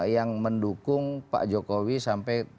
yang mendukung pak jokowi sampai